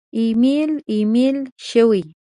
امیل، امیل شوی